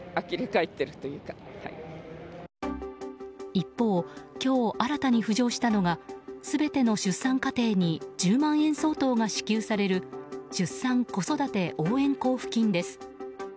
一方、今日新たに浮上したのが全ての出産家庭に１０万円相当が支給される出産・子育て応援交付金です。